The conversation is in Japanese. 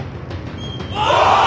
お！